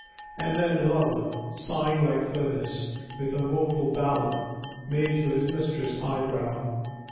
And then the lover, Sighing like furnace, with a woeful ballad Made to his mistress' eyebrow.